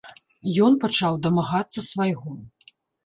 Ён пачаў дамагацца свайго.